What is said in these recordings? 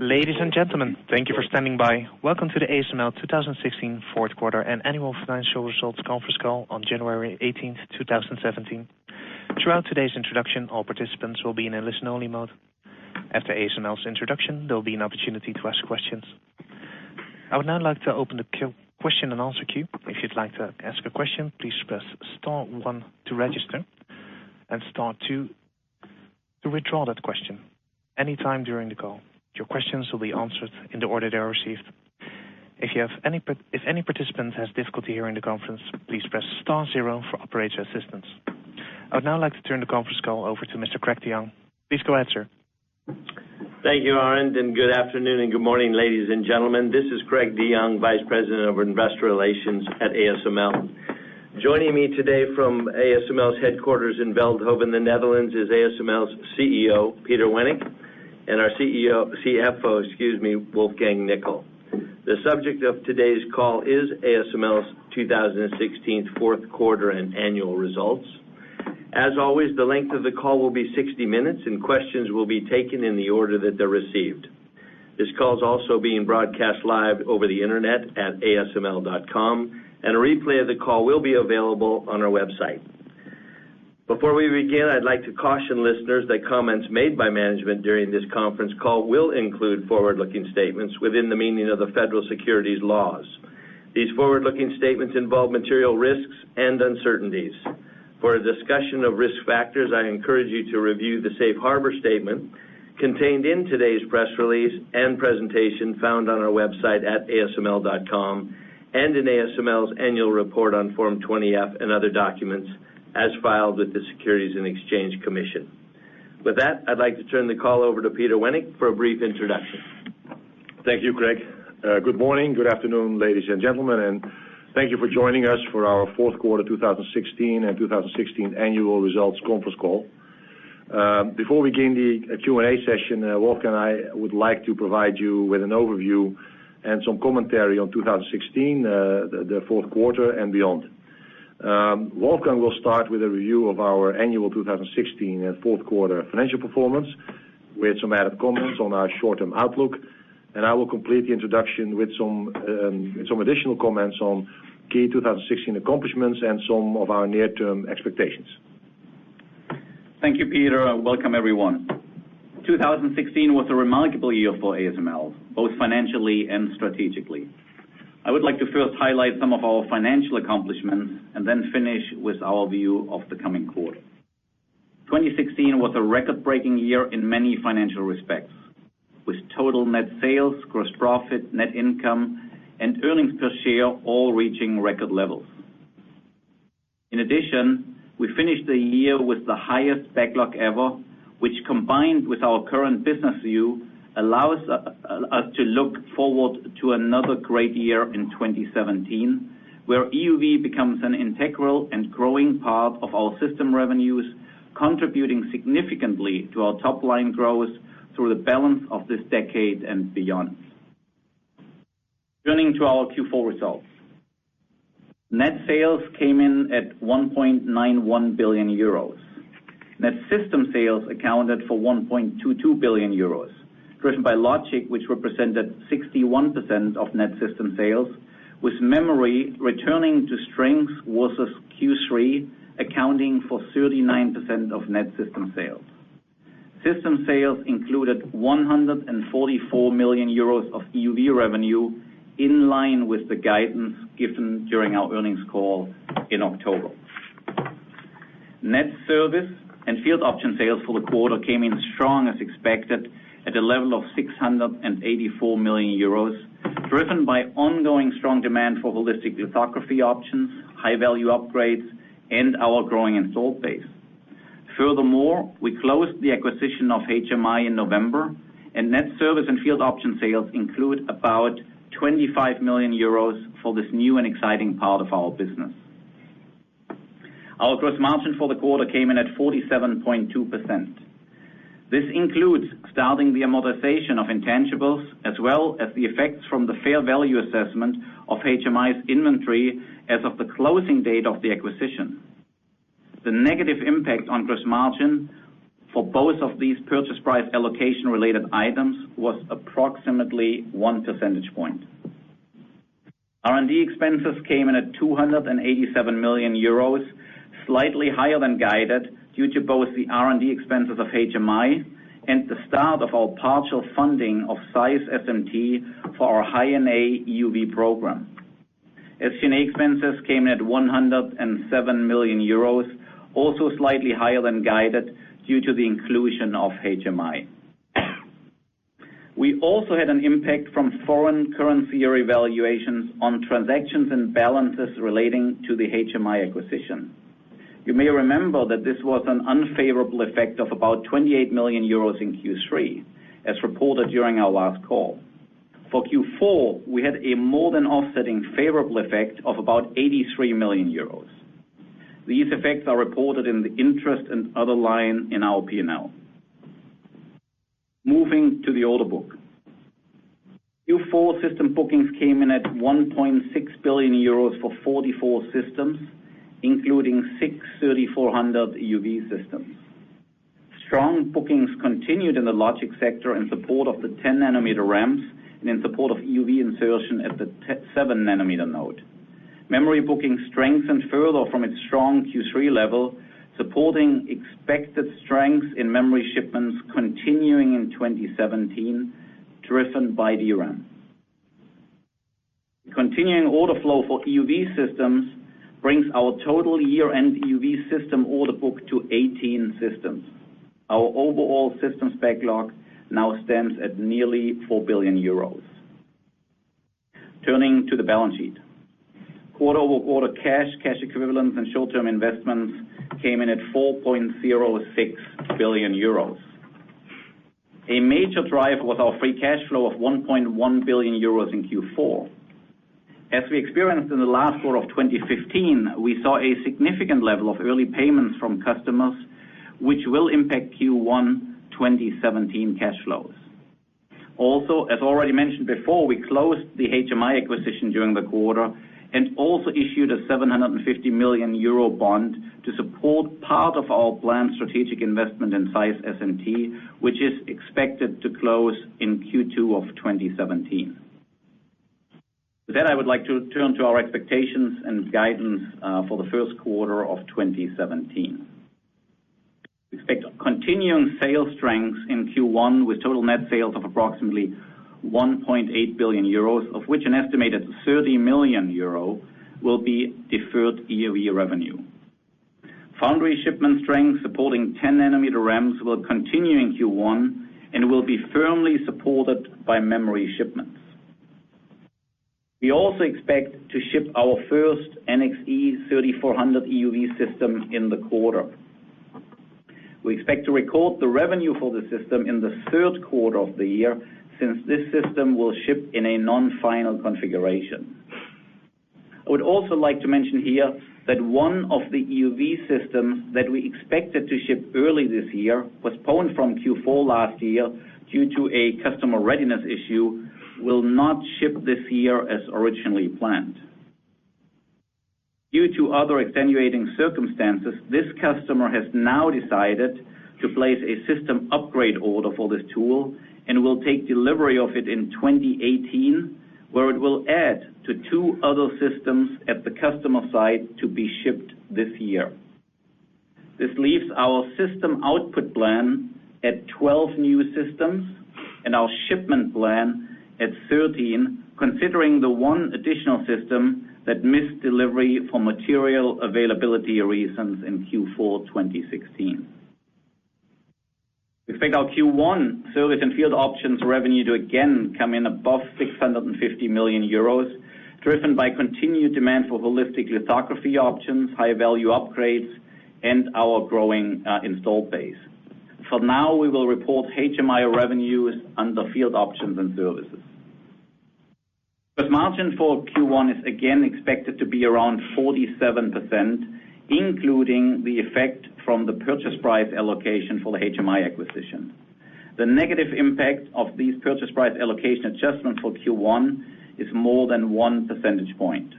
Ladies and gentlemen, thank you for standing by. Welcome to the ASML 2016 fourth quarter and annual financial results conference call on January 18th, 2017. Throughout today's introduction, all participants will be in a listen-only mode. After ASML's introduction, there'll be an opportunity to ask questions. I would now like to open the question and answer queue. If you'd like to ask a question, please press star one to register, and star two to withdraw that question anytime during the call. Your questions will be answered in the order they are received. If any participant has difficulty hearing the conference, please press star zero for operator assistance. I would now like to turn the conference call over to Mr. Craig DeYoung. Please go ahead, sir. Thank you, Arend. Good afternoon and good morning, ladies and gentlemen. This is Craig DeYoung, Vice President of Investor Relations at ASML. Joining me today from ASML's headquarters in Veldhoven, the Netherlands, is ASML's CEO, Peter Wennink, and our CFO, excuse me, Wolfgang Nickl. The subject of today's call is ASML's 2016 fourth quarter and annual results. As always, the length of the call will be 60 minutes, and questions will be taken in the order that they're received. This call is also being broadcast live over the internet at asml.com, a replay of the call will be available on our website. Before we begin, I'd like to caution listeners that comments made by management during this conference call will include forward-looking statements within the meaning of the federal securities laws. For a discussion of risk factors, I encourage you to review the safe harbor statement contained in today's press release and presentation found on our website at asml.com, in ASML's annual report on Form 20-F and other documents as filed with the Securities and Exchange Commission. With that, I'd like to turn the call over to Peter Wennink for a brief introduction. Thank you, Craig. Good morning, good afternoon, ladies and gentlemen, thank you for joining us for our fourth quarter 2016 and 2016 annual results conference call. Before we begin the Q&A session, Wolfgang and I would like to provide you with an overview and some commentary on 2016, the fourth quarter, beyond. Wolfgang will start with a review of our annual 2016 fourth-quarter financial performance, with some added comments on our short-term outlook, I will complete the introduction with some additional comments on key 2016 accomplishments and some of our near-term expectations. Thank you, Peter, and welcome everyone. 2016 was a remarkable year for ASML, both financially and strategically. I would like to first highlight some of our financial accomplishments, and then finish with our view of the coming quarter. 2016 was a record-breaking year in many financial respects, with total net sales, gross profit, net income, and earnings per share all reaching record levels. In addition, we finished the year with the highest backlog ever, which combined with our current business view, allows us to look forward to another great year in 2017, where EUV becomes an integral and growing part of our system revenues, contributing significantly to our top-line growth through the balance of this decade and beyond. Turning to our Q4 results. Net sales came in at 1.91 billion euros. Net system sales accounted for 1.22 billion euros, driven by logic, which represented 61% of net system sales, with memory returning to strength versus Q3, accounting for 39% of net system sales. System sales included 144 million euros of EUV revenue in line with the guidance given during our earnings call in October. Net service and field option sales for the quarter came in strong as expected at a level of 684 million euros, driven by ongoing strong demand for holistic lithography options, high-value upgrades, and our growing install base. Furthermore, we closed the acquisition of HMI in November, and net service and field option sales include about 25 million euros for this new and exciting part of our business. Our gross margin for the quarter came in at 47.2%. This includes starting the amortization of intangibles as well as the effects from the fair value assessment of HMI's inventory as of the closing date of the acquisition. The negative impact on gross margin for both of these purchase price allocation related items was approximately one percentage point. R&D expenses came in at 287 million euros, slightly higher than guided due to both the R&D expenses of HMI and the start of our partial funding of ZEISS SMT for our High-NA EUV program. SG&A expenses came in at 107 million euros, also slightly higher than guided due to the inclusion of HMI. We also had an impact from foreign currency revaluations on transactions and balances relating to the HMI acquisition. You may remember that this was an unfavorable effect of about 28 million euros in Q3, as reported during our last call. For Q4, we had a more than offsetting favorable effect of about 83 million euros. These effects are reported in the interest and other line in our P&L. Moving to the order book. Q4 system bookings came in at 1.6 billion euros for 44 systems, including six 3400 EUV systems. Strong bookings continued in the logic sector in support of the 10 nanometer ramps and in support of EUV insertion at the seven nanometer node. Memory booking strengthened further from its strong Q3 level, supporting expected strength in memory shipments continuing in 2017, driven by DRAM. Continuing order flow for EUV systems brings our total year-end EUV system order book to 18 systems. Our overall systems backlog now stands at nearly 4 billion euros. A major driver was our free cash flow of EUR 1.1 billion in Q4. As we experienced in the last quarter of 2015, we saw a significant level of early payments from customers, which will impact Q1 2017 cash flows. Also, as already mentioned before, we closed the HMI acquisition during the quarter and also issued a 750 million euro bond to support part of our planned strategic investment in ZEISS SMT, which is expected to close in Q2 of 2017. With that, I would like to turn to our expectations and guidance for the first quarter of 2017. We expect continuing sales strength in Q1 with total net sales of approximately 1.8 billion euros, of which an estimated 30 million euro will be deferred EUV revenue. Foundry shipment strength supporting 10 nanometer ramps will continue in Q1 and will be firmly supported by memory shipments. We also expect to ship our first NXE 3400 EUV system in the quarter. We expect to record the revenue for the system in the third quarter of the year since this system will ship in a non-final configuration. I would also like to mention here that one of the EUV systems that we expected to ship early this year, postponed from Q4 last year due to a customer readiness issue, will not ship this year as originally planned. Due to other extenuating circumstances, this customer has now decided to place a system upgrade order for this tool and will take delivery of it in 2018, where it will add to two other systems at the customer site to be shipped this year. This leaves our system output plan at 12 new systems and our shipment plan at 13, considering the one additional system that missed delivery for material availability reasons in Q4 2016. We expect our Q1 service and field options revenue to again come in above 650 million euros, driven by continued demand for holistic lithography options, high-value upgrades, and our growing install base. For now, we will report HMI revenues under field options and services. Gross margin for Q1 is again expected to be around 47%, including the effect from the purchase price allocation for the HMI acquisition. The negative impact of these purchase price allocation adjustments for Q1 is more than one percentage point.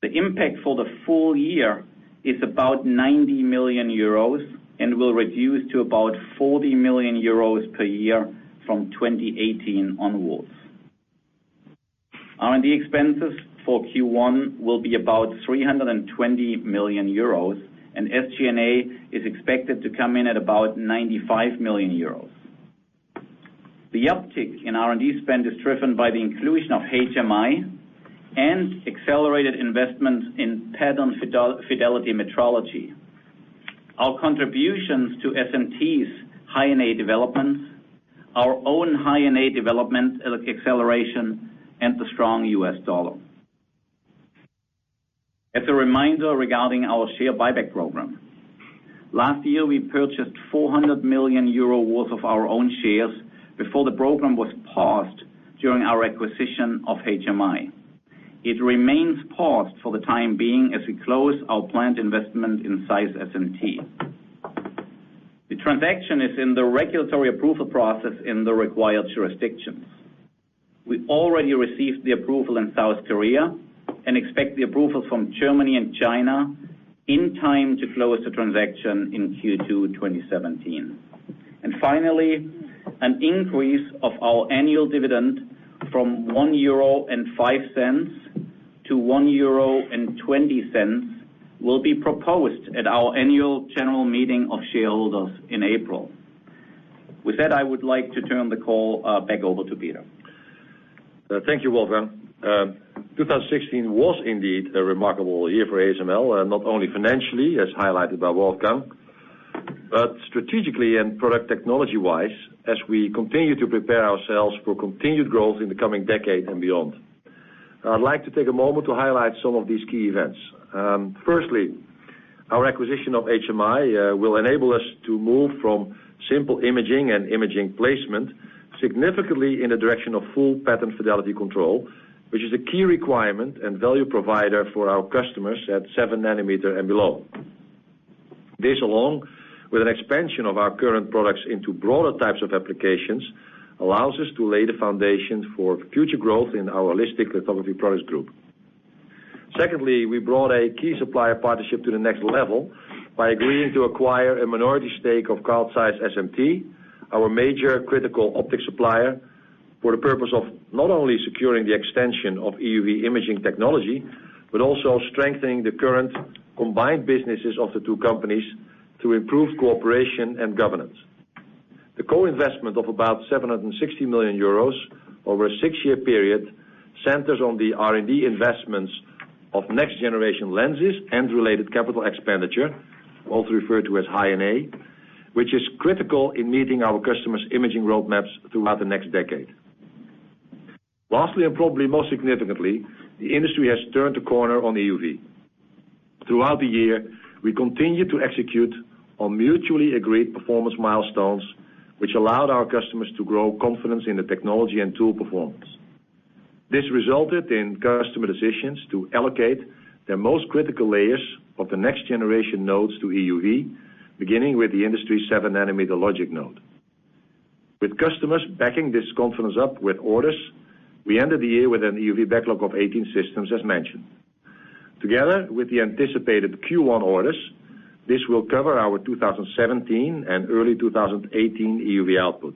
The impact for the full year is about 90 million euros and will reduce to about 40 million euros per year from 2018 onwards. R&D expenses for Q1 will be about 320 million euros, and SG&A is expected to come in at about 95 million euros. The uptick in R&D spend is driven by the inclusion of HMI and accelerated investments in pattern fidelity metrology. Our contributions to SMT's High-NA development, our own High-NA development acceleration, and the strong U.S. dollar. As a reminder regarding our share buyback program, last year we purchased 400 million euro worth of our own shares before the program was paused during our acquisition of HMI. It remains paused for the time being as we close our planned investment in ZEISS SMT. The transaction is in the regulatory approval process in the required jurisdictions. We already received the approval in South Korea and expect the approval from Germany and China in time to close the transaction in Q2 2017. Finally, an increase of our annual dividend from 1.05 euro to 1.20 euro will be proposed at our annual general meeting of shareholders in April. With that, I would like to turn the call back over to Peter. Thank you, Wolfgang. 2016 was indeed a remarkable year for ASML, not only financially, as highlighted by Wolfgang, but strategically and product technology-wise, as we continue to prepare ourselves for continued growth in the coming decade and beyond. I'd like to take a moment to highlight some of these key events. Firstly, our acquisition of HMI will enable us to move from simple imaging and imaging placement significantly in the direction of full pattern fidelity control, which is a key requirement and value provider for our customers at seven nanometer and below. This, along with an expansion of our current products into broader types of applications, allows us to lay the foundation for future growth in our holistic lithography products group. Secondly, we brought a key supplier partnership to the next level by agreeing to acquire a minority stake of Carl Zeiss SMT, our major critical optics supplier, for the purpose of not only securing the extension of EUV imaging technology, but also strengthening the current combined businesses of the two companies to improve cooperation and governance. The co-investment of about 760 million euros over a six-year period centers on the R&D investments of next-generation lenses and related capital expenditure, also referred to as High-NA, which is critical in meeting our customers' imaging roadmaps throughout the next decade. Lastly, probably most significantly, the industry has turned a corner on EUV. Throughout the year, we continued to execute on mutually agreed performance milestones, which allowed our customers to grow confidence in the technology and tool performance. This resulted in customer decisions to allocate their most critical layers of the next-generation nodes to EUV, beginning with the industry seven nanometer logic node. With customers backing this confidence up with orders, we ended the year with an EUV backlog of 18 systems, as mentioned. Together with the anticipated Q1 orders, this will cover our 2017 and early 2018 EUV output.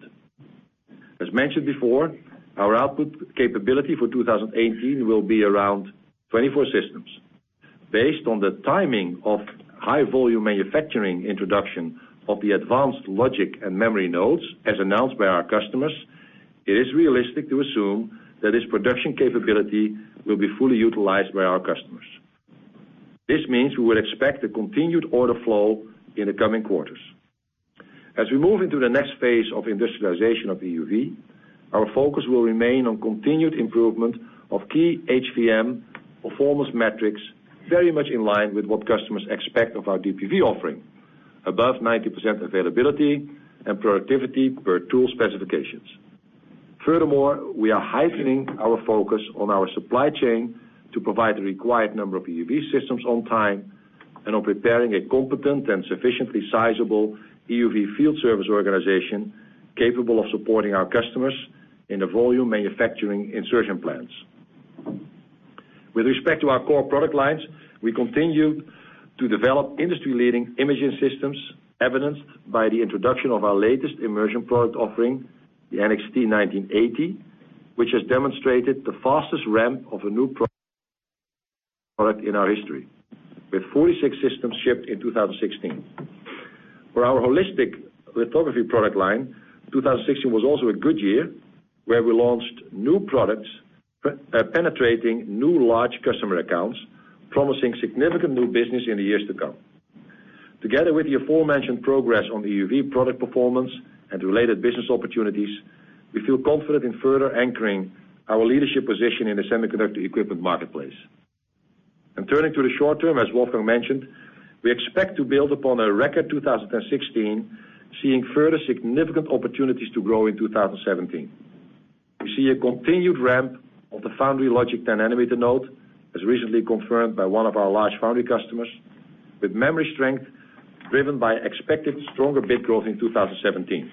As mentioned before, our output capability for 2018 will be around 24 systems. Based on the timing of High-Volume Manufacturing introduction of the advanced logic and memory nodes, as announced by our customers, it is realistic to assume that this production capability will be fully utilized by our customers. This means we would expect a continued order flow in the coming quarters. As we move into the next phase of industrialization of EUV, our focus will remain on continued improvement of key HVM performance metrics, very much in line with what customers expect of our DUV offering, above 90% availability and productivity per tool specifications. Furthermore, we are heightening our focus on our supply chain to provide the required number of EUV systems on time and on preparing a competent and sufficiently sizable EUV field service organization capable of supporting our customers in the volume manufacturing insertion plans. With respect to our core product lines, we continued to develop industry-leading imaging systems, evidenced by the introduction of our latest immersion product offering, the NXT1980, which has demonstrated the fastest ramp of a new product in our history, with 46 systems shipped in 2016. For our holistic lithography product line, 2016 was also a good year, where we launched new products penetrating new large customer accounts, promising significant new business in the years to come. Together with the aforementioned progress on EUV product performance and related business opportunities, we feel confident in further anchoring our leadership position in the semiconductor equipment marketplace. Turning to the short term, as Wolfgang mentioned, we expect to build upon a record 2016, seeing further significant opportunities to grow in 2017. We see a continued ramp of the foundry logic 10 nanometer node, as recently confirmed by one of our large foundry customers, with memory strength driven by expected stronger bit growth in 2017.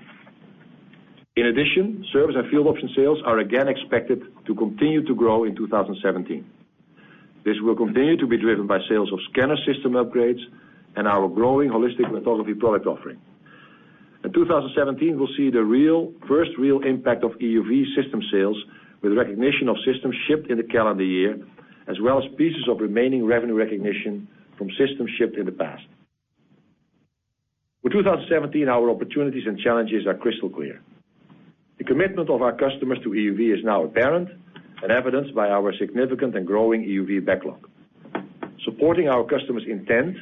In addition, service and field option sales are again expected to continue to grow in 2017. This will continue to be driven by sales of scanner system upgrades and our growing holistic lithography product offering. In 2017, we'll see the first real impact of EUV system sales, with recognition of systems shipped in the calendar year, as well as pieces of remaining revenue recognition from systems shipped in the past. For 2017, our opportunities and challenges are crystal clear. The commitment of our customers to EUV is now apparent and evidenced by our significant and growing EUV backlog. Supporting our customers' intent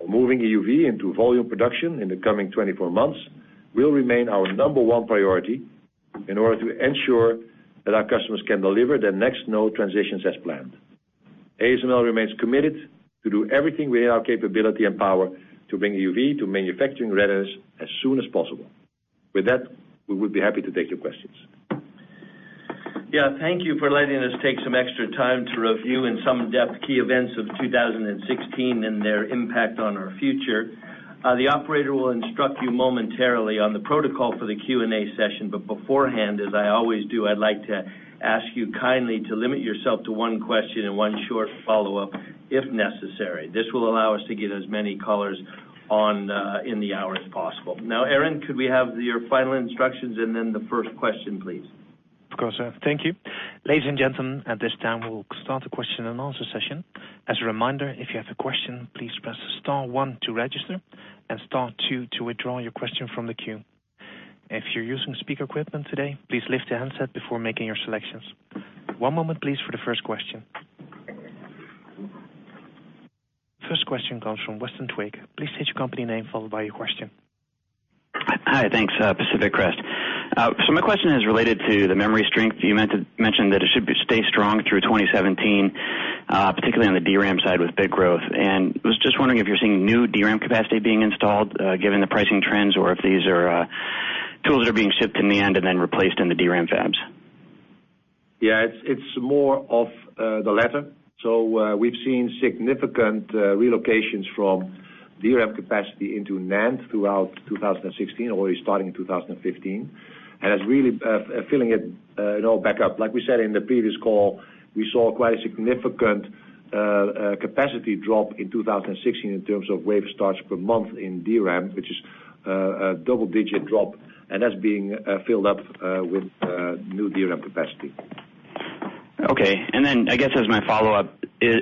on moving EUV into volume production in the coming 24 months will remain our number 1 priority in order to ensure that our customers can deliver their next node transitions as planned. ASML remains committed to do everything within our capability and power to bring EUV to manufacturing readiness as soon as possible. With that, we would be happy to take your questions. Yeah, thank you for letting us take some extra time to review in some depth key events of 2016 and their impact on our future. The operator will instruct you momentarily on the protocol for the Q&A session, but beforehand, as I always do, I'd like to ask you kindly to limit yourself to one question and one short follow-up if necessary. This will allow us to get as many callers on in the hour as possible. Now, Arend, could we have your final instructions and then the first question, please? Of course, sir. Thank you. Ladies and gentlemen, at this time, we will start the question and answer session. As a reminder, if you have a question, please press star one to register and star two to withdraw your question from the queue. If you're using speaker equipment today, please lift the handset before making your selections. One moment please for the first question. First question comes from Weston Twigg. Please state your company name followed by your question. Hi. Thanks. Pacific Crest. My question is related to the memory strength. You mentioned that it should stay strong through 2017, particularly on the DRAM side with bit growth. Was just wondering if you're seeing new DRAM capacity being installed, given the pricing trends, or if these are tools that are being shipped in the end and then replaced in the DRAM fabs? Yeah, it's more of the latter. We've seen significant relocations from DRAM capacity into NAND throughout 2016, already starting in 2015, and that's really filling it all back up. Like we said in the previous call, we saw quite a significant capacity drop in 2016 in terms of wave starts per month in DRAM, which is a double-digit drop, and that's being filled up with new DRAM capacity. Okay. I guess as my follow-up,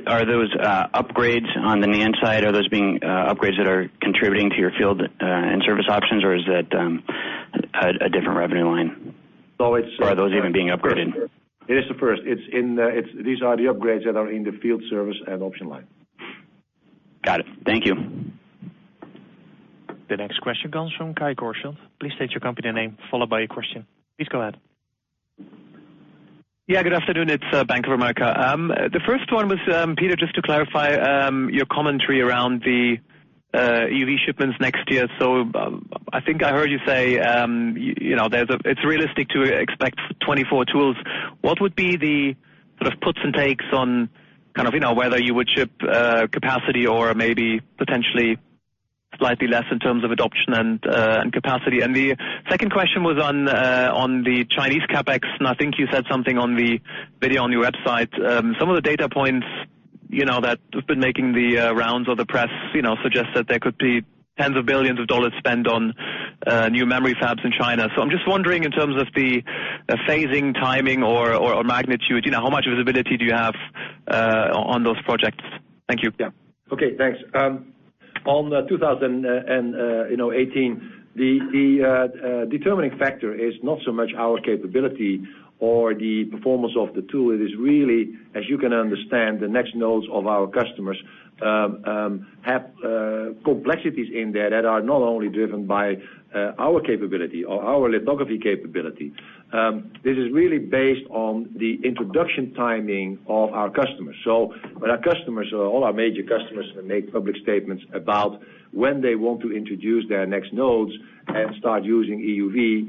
are those upgrades on the NAND side, are those being upgrades that are contributing to your field and service options, or is that a different revenue line? Always. Are those even being upgraded? It is the first. These are the upgrades that are in the field service and option line. Got it. Thank you. The next question comes from Kai Korschelt. Please state your company name, followed by your question. Please go ahead. Good afternoon. It's Bank of America. The first one was, Peter, just to clarify your commentary around the EUV shipments next year. I think I heard you say, it's realistic to expect 24 tools. What would be the sort of puts and takes on kind of whether you would ship capacity or maybe potentially slightly less in terms of adoption and capacity? The second question was on the Chinese CapEx, I think you said something on the video on your website. Some of the data points that have been making the rounds or the press, suggest that there could be tens of billions of EUR spent on new memory fabs in China. I'm just wondering in terms of the phasing, timing or magnitude, how much visibility do you have on those projects? Thank you. Yeah. Okay, thanks. On 2018, the determining factor is not so much our capability or the performance of the tool. It is really, as you can understand, the next nodes of our customers have complexities in there that are not only driven by our capability or our lithography capability. This is really based on the introduction timing of our customers. When our customers or all our major customers make public statements about when they want to introduce their next nodes and start using EUV,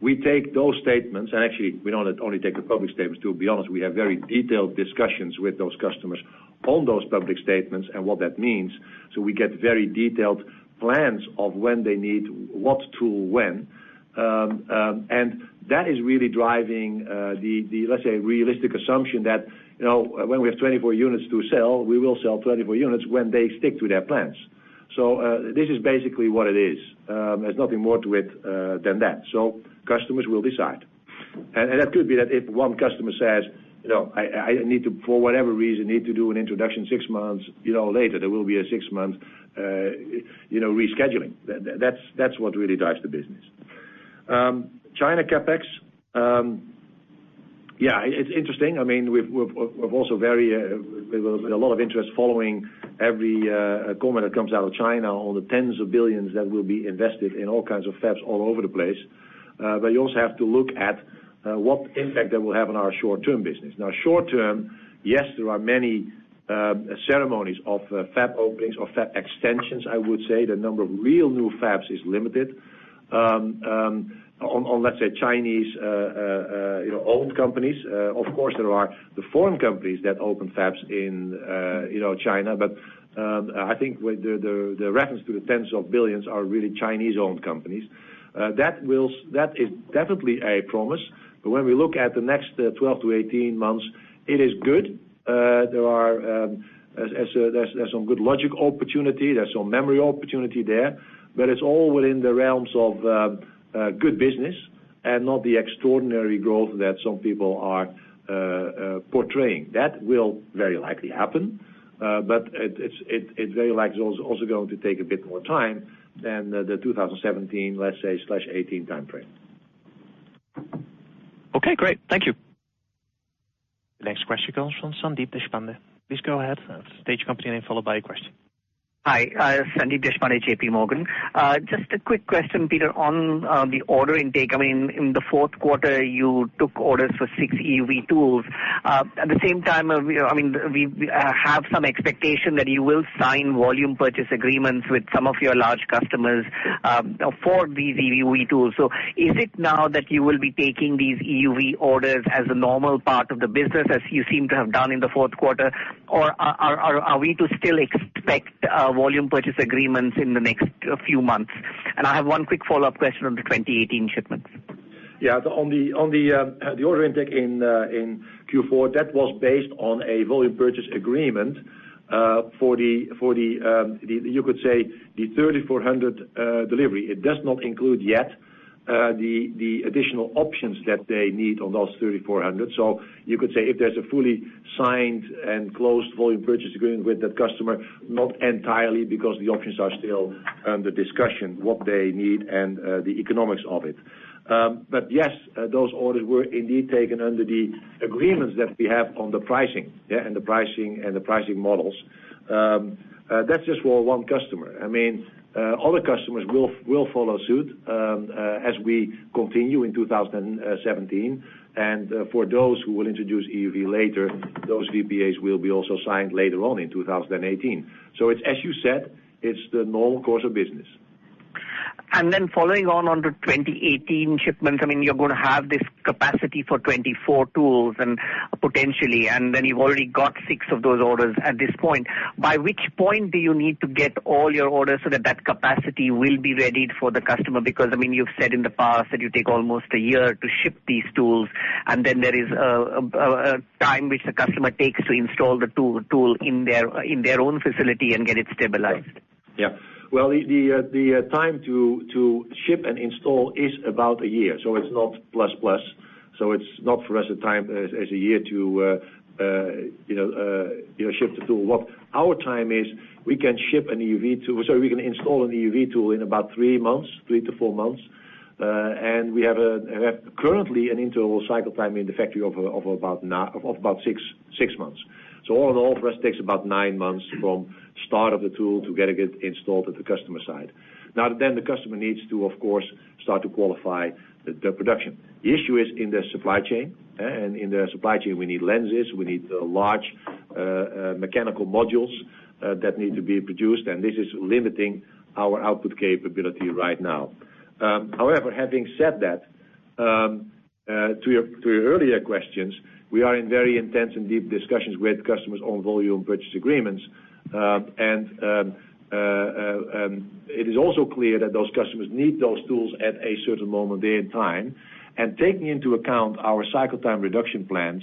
we take those statements, and actually, we don't only take the public statements. To be honest, we have very detailed discussions with those customers on those public statements and what that means. We get very detailed plans of when they need what tool when. That is really driving the, let's say, realistic assumption that, when we have 24 units to sell, we will sell 24 units when they stick to their plans. This is basically what it is. There's nothing more to it than that. Customers will decide. That could be that if one customer says, "I need to, for whatever reason, need to do an introduction six months later," there will be a six-month rescheduling. That's what really drives the business. China CapEx. Yeah, it's interesting. There was a lot of interest following every comment that comes out of China on the tens of billions that will be invested in all kinds of fabs all over the place. You also have to look at what impact that will have on our short-term business. Short-term, yes, there are many ceremonies of fab openings or fab extensions, I would say. The number of real new fabs is limited on, let's say, Chinese-owned companies. Of course, there are the foreign companies that open fabs in China. I think the reference to the tens of billions are really Chinese-owned companies. That is definitely a promise. When we look at the next 12 to 18 months, it is good. There's some good logic opportunity, there's some memory opportunity there, but it's all within the realms of good business and not the extraordinary growth that some people are portraying. That will very likely happen. It's very likely also going to take a bit more time than the 2017, let's say, slash 2018 timeframe. Okay, great. Thank you. The next question comes from Sandeep Deshpande. Please go ahead, state your company name followed by your question. Hi, Sandeep Deshpande, JP Morgan. Just a quick question, Peter, on the order intake. In the fourth quarter, you took orders for six EUV tools. At the same time, we have some expectation that you will sign volume purchase agreements with some of your large customers for these EUV tools. Is it now that you will be taking these EUV orders as a normal part of the business, as you seem to have done in the fourth quarter? Or are we to still expect volume purchase agreements in the next few months? I have one quick follow-up question on the 2018 shipments. Yeah. On the order intake in Q4, that was based on a volume purchase agreement for the, you could say, the 3,400 delivery. It does not include yet the additional options that they need on those 3,400. You could say if there's a fully signed and closed volume purchase agreement with that customer, not entirely because the options are still under discussion, what they need and the economics of it. Yes, those orders were indeed taken under the agreements that we have on the pricing. Yeah, and the pricing models. That's just for one customer. Other customers will follow suit as we continue in 2017. For those who will introduce EUV later, those VPAs will be also signed later on in 2018. As you said, it's the normal course of business. Following on to 2018 shipments, you're going to have this capacity for 24 tools, potentially, you've already got six of those orders at this point. By which point do you need to get all your orders so that that capacity will be readied for the customer? Because you've said in the past that you take almost a year to ship these tools, and then there is a time which the customer takes to install the tool in their own facility and get it stabilized. Yeah. Well, the time to ship and install is about a year, so it's not plus. It's not for us a time as a year to ship the tool. What our time is, we can install an EUV tool in about three to four months. We have currently an internal cycle time in the factory of about six months. All in all, for us, it takes about nine months from start of the tool to get it installed at the customer site. The customer needs to, of course, start to qualify the production. The issue is in the supply chain. In the supply chain, we need lenses, we need large mechanical modules that need to be produced, and this is limiting our output capability right now. However, having said that, to your earlier questions, we are in very intense and deep discussions with customers on Volume Purchase Agreements. It is also clear that those customers need those tools at a certain moment in time. Taking into account our cycle time reduction plans,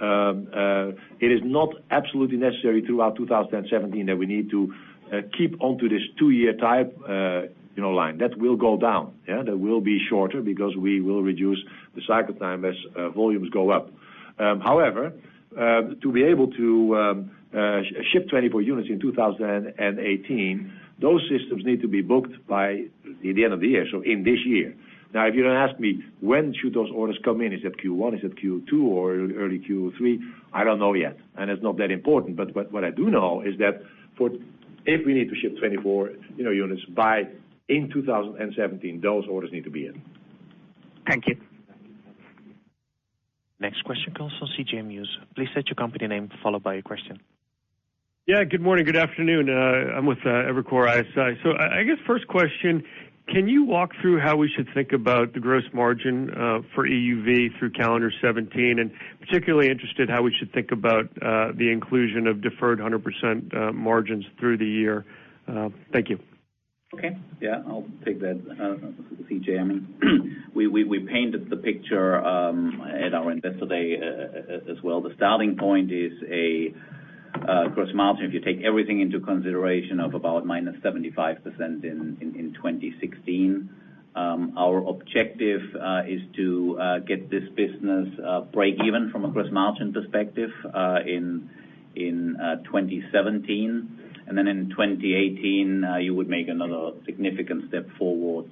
it is not absolutely necessary throughout 2017 that we need to keep onto this two-year type line. That will go down. That will be shorter because we will reduce the cycle time as volumes go up. However, to be able to ship 24 units in 2018, those systems need to be booked by the end of the year, so in this year. If you ask me when should those orders come in, is it Q1, is it Q2, or early Q3? I don't know yet, it's not that important. What I do know is that if we need to ship 24 units in 2017, those orders need to be in. Thank you. Next question comes from C.J. Muse. Please state your company name, followed by your question. Good morning, good afternoon. I am with Evercore ISI. I guess first question, can you walk through how we should think about the gross margin for EUV through calendar 2017? Particularly interested how we should think about the inclusion of deferred 100% margins through the year. Thank you. Okay. I will take that, C.J. We painted the picture at our investor day as well. The starting point is a gross margin, if you take everything into consideration, of about -75% in 2016. Our objective is to get this business breakeven from a gross margin perspective in 2017. In 2018, you would make another significant step forward.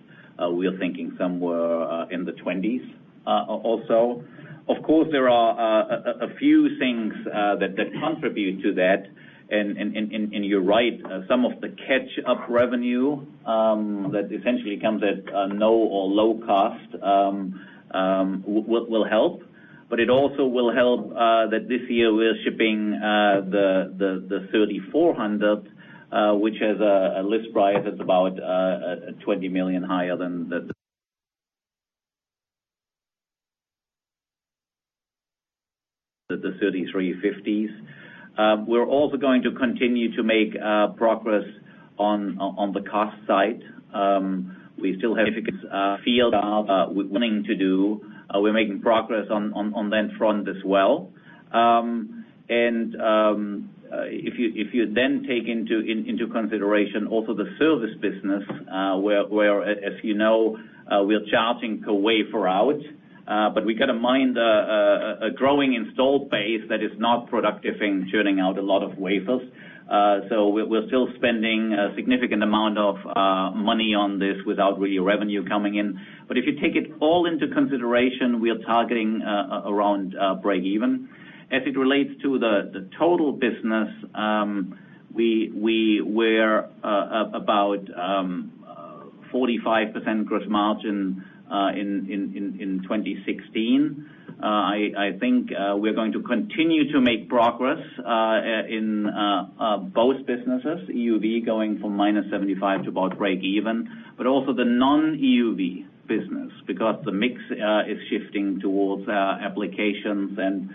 We are thinking somewhere in the 20s also. Of course, there are a few things that contribute to that. You are right, some of the catch-up revenue that essentially comes at no or low cost will help. It also will help that this year we are shipping the 3400, which has a list price that is about 20 million higher than the 3350s. We are also going to continue to make progress on the cost side. We still have significant field wanting to do. We are making progress on that front as well. If you then take into consideration also the service business, where, as you know, we are charging per wafer out. We got a growing installed base that is not productive in churning out a lot of wafers. We are still spending a significant amount of money on this without real revenue coming in. If you take it all into consideration, we are targeting around breakeven. As it relates to the total business, we were about 45% gross margin in 2016. I think we are going to continue to make progress in both businesses, EUV going from -75% to about breakeven, but also the non-EUV business, because the mix is shifting towards applications and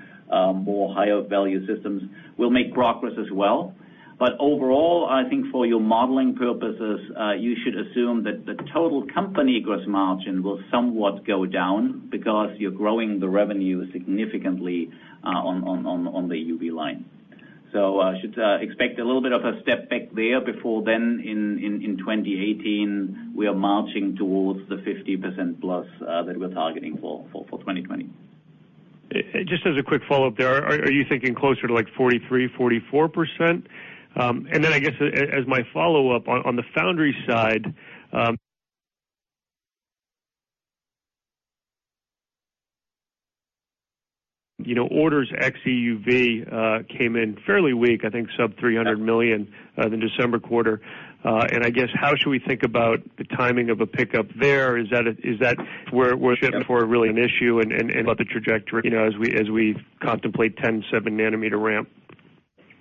more higher value systems, will make progress as well. Overall, I think for your modeling purposes, you should assume that the total company gross margin will somewhat go down because you're growing the revenue significantly on the EUV line. I should expect a little bit of a step back there before then in 2018, we are marching towards the 50%+ that we're targeting for 2020. Just as a quick follow-up there, are you thinking closer to like 43%, 44%? I guess as my follow-up, on the foundry side, orders ex-EUV came in fairly weak, I think sub 300 million in the December quarter. I guess how should we think about the timing of a pickup there? Is that wafer really an issue and about the trajectory as we contemplate 10, seven nanometer ramp?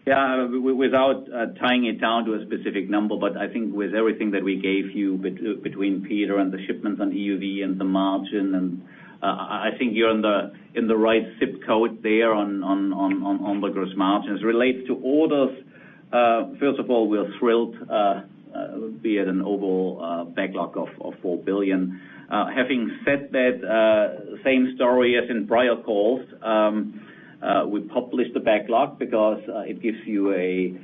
Without tying it down to a specific number, I think with everything that we gave you between Peter and the shipments on EUV and the margin, I think you're in the right ZIP code there on the gross margins. Relates to orders, first of all, we are thrilled, be it an overall backlog of 4 billion. Having said that, same story as in prior calls. We publish the backlog because it gives you a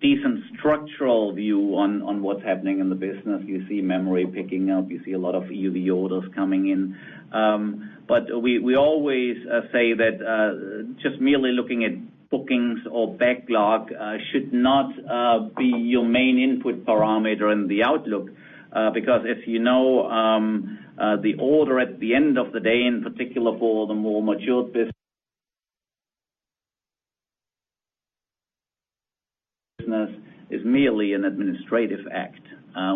decent structural view on what's happening in the business. You see memory picking up, you see a lot of EUV orders coming in. We always say that just merely looking at bookings or backlog should not be your main input parameter in the outlook. If you know the order at the end of the day, in particular for the more matured business is merely an administrative act.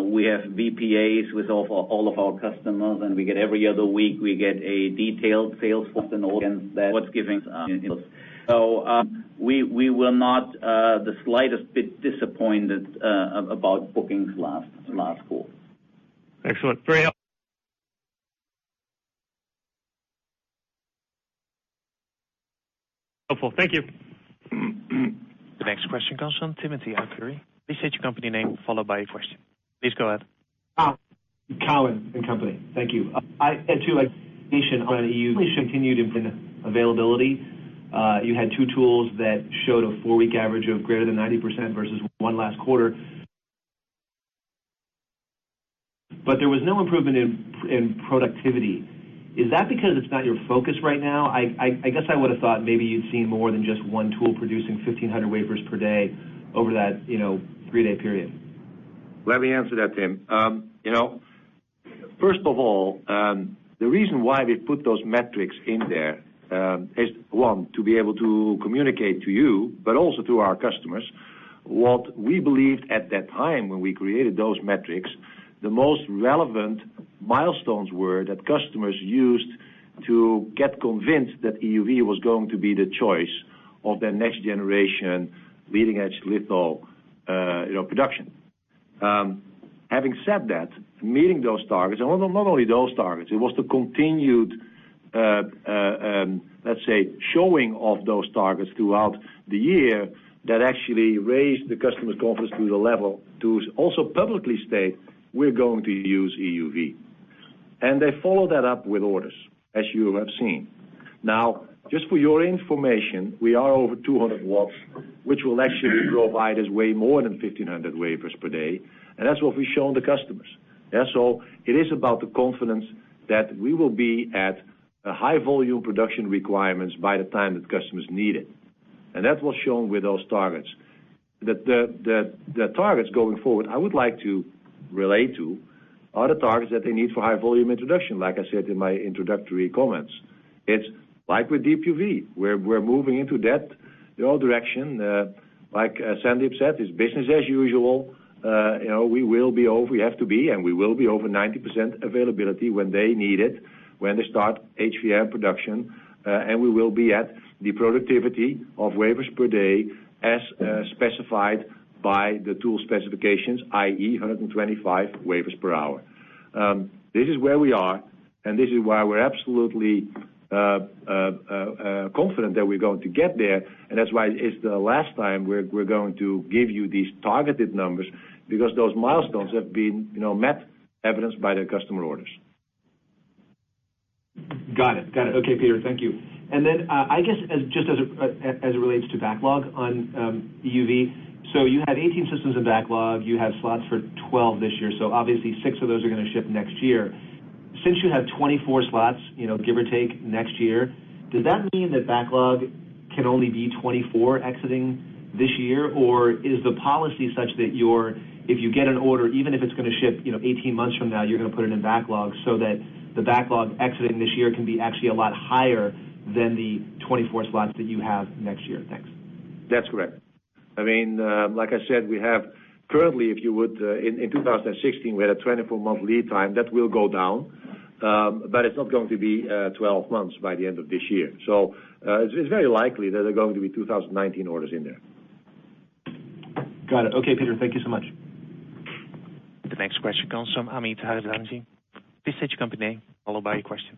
We have VPAs with all of our customers, every other week, we get a detailed sales forecast and all that what's giving us. We were not the slightest bit disappointed about bookings last quarter. Excellent. Very helpful. Thank you. The next question comes from Timothy Arcuri. Please state your company name, followed by your question. Please go ahead. Cowen and Company. Thank you. I had two. On EUV, continued availability. You had two tools that showed a four-week average of greater than 90% versus one last quarter. There was no improvement in productivity. Is that because it's not your focus right now? I guess I would've thought maybe you'd seen more than just one tool producing 1,500 wafers per day over that three-day period. Let me answer that, Tim. First of all, the reason why we put those metrics in there, is one, to be able to communicate to you, but also to our customers. What we believed at that time when we created those metrics, the most relevant milestones were that customers used to get convinced that EUV was going to be the choice of their next generation leading-edge litho production. Having said that, meeting those targets, and not only those targets, it was the continued, let's say, showing of those targets throughout the year that actually raised the customer's confidence to the level to also publicly state, "We're going to use EUV." They followed that up with orders, as you have seen. Now, just for your information, we are over 200 watts, which will actually provide us way more than 1,500 wafers per day, and that's what we've shown the customers. It is about the confidence that we will be at a high-volume production requirements by the time that customers need it. That was shown with those targets. The targets going forward, I would like to relate to are the targets that they need for high-volume introduction, like I said in my introductory comments. It's like with deep UV. We're moving into that direction. Like Sandeep said, it's business as usual. We have to be, and we will be over 90% availability when they need it, when they start HVM production. We will be at the productivity of wafers per day as specified by the tool specifications, i.e., 125 wafers per hour. This is where we are, and this is why we're absolutely confident that we're going to get there, and that's why it's the last time we're going to give you these targeted numbers because those milestones have been met, evidenced by the customer orders. Got it. Okay, Peter, thank you. Then, I guess, just as it relates to backlog on EUV. You had 18 systems in backlog. You have slots for 12 this year, so obviously, six of those are going to ship next year. Since you have 24 slots, give or take, next year, does that mean that backlog can only be 24 exiting this year? Is the policy such that if you get an order, even if it's going to ship 18 months from now, you're going to put it in backlog so that the backlog exiting this year can be actually a lot higher than the 24 slots that you have next year? Thanks. That's correct. Like I said, currently, in 2016, we had a 24-month lead time. That will go down. It's not going to be 12 months by the end of this year. It's very likely that there are going to be 2019 orders in there. Got it. Okay, Peter, thank you so much. The next question comes from Amit Harchandani. Please state your company name, followed by your question.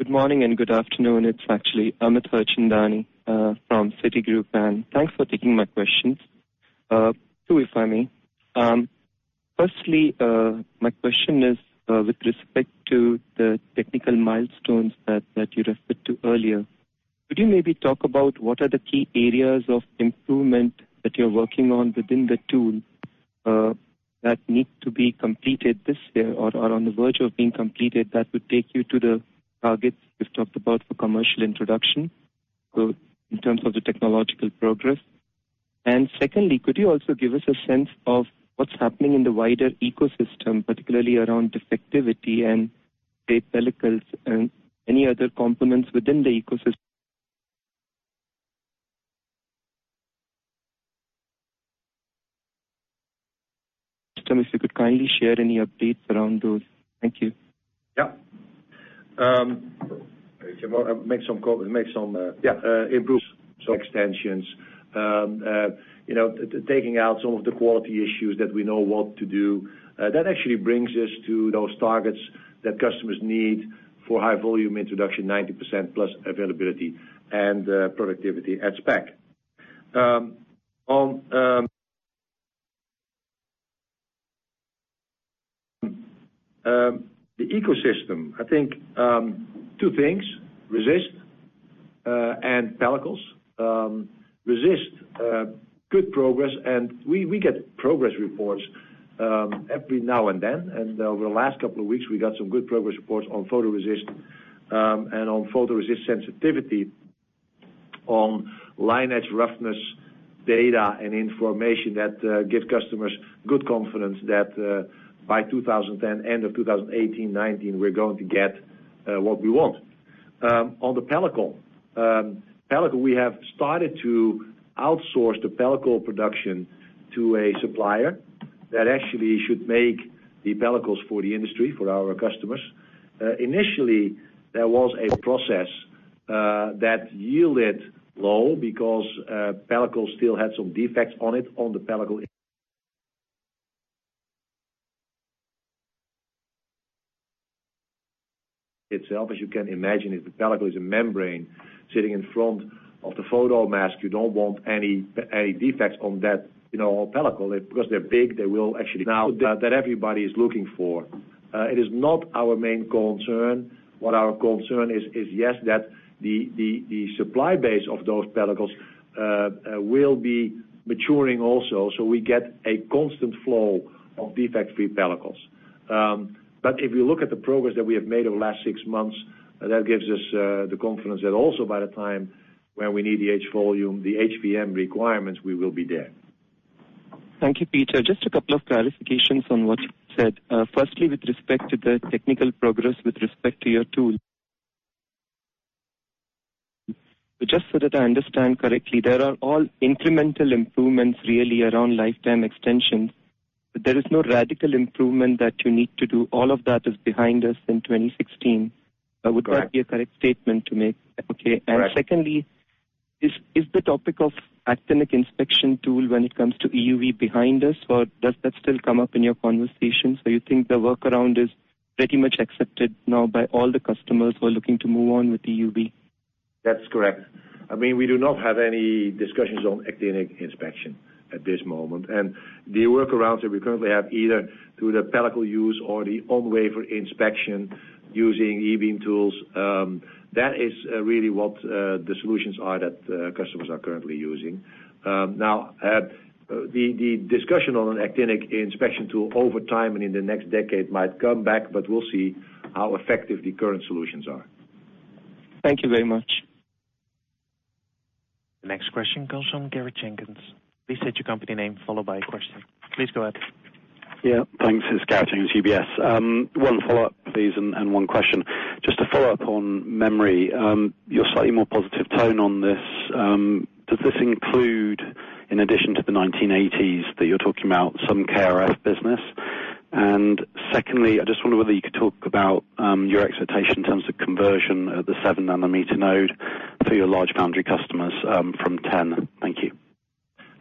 Good morning and good afternoon. It's actually Amit Harchandani from Citigroup, thanks for taking my questions. Two, if I may. Firstly, my question is with respect to the technical milestones that you referred to earlier. Could you maybe talk about what are the key areas of improvement that you're working on within the tool that need to be completed this year or are on the verge of being completed that would take you to the targets you've talked about for commercial introduction in terms of the technological progress? Secondly, could you also give us a sense of what's happening in the wider ecosystem, particularly around defectivity and any other complements within the ecosystem? If you could kindly share any updates around those. Thank you. Yeah. Make some improvements, some extensions. Taking out some of the quality issues that we know what to do. That actually brings us to those targets that customers need for high volume introduction, 90% plus availability and productivity at spec. On the ecosystem, I think two things, resist and pellicles. Resist, good progress. We get progress reports every now and then, and over the last couple of weeks, we got some good progress reports on photoresist and on photoresist sensitivity, on line edge roughness data and information that gives customers good confidence that by end of 2018, 2019, we're going to get what we want. On the pellicle. Pellicle, we have started to outsource the pellicle production to a supplier that actually should make the pellicles for the industry, for our customers. Initially, there was a process that yielded low because pellicle still had some defects on it, on the pellicle itself. As you can imagine, if the pellicle is a membrane sitting in front of the photomask, you don't want any defects on that pellicle. Because they're big. Now that everybody is looking for. It is not our main concern. What our concern is, yes, that the supply base of those pellicles will be maturing also. So we get a constant flow of defect-free pellicles. If you look at the progress that we have made over the last six months, that gives us the confidence that also by the time when we need the H volume, the HVM requirements, we will be there. Thank you, Peter. Just a couple of clarifications on what you said. Firstly, with respect to the technical progress, with respect to your tool. Just so that I understand correctly, there are all incremental improvements really around lifetime extensions, but there is no radical improvement that you need to do. All of that is behind us in 2016. Correct. Would that be a correct statement to make? Correct. Okay. Secondly, is the topic of actinic inspection tool when it comes to EUV behind us, or does that still come up in your conversations? Do you think the workaround is pretty much accepted now by all the customers who are looking to move on with EUV? That's correct. We do not have any discussions on actinic inspection at this moment. The workarounds that we currently have, either through the pellicle use or the on-wafer inspection using e-beam tools, that is really what the solutions are that customers are currently using. The discussion on an actinic inspection tool over time and in the next decade might come back, but we'll see how effective the current solutions are. Thank you very much. Next question comes from Gareth Jenkins. Please state your company name, followed by your question. Please go ahead. Thanks. It's Gareth from UBS. One follow-up, please, and one question. Just to follow up on memory. Your slightly more positive tone on this, does this include, in addition to the 1980s that you're talking about, some KrF business? Secondly, I just wonder whether you could talk about your expectation in terms of conversion at the seven nanometer node for your large foundry customers from 10. Thank you.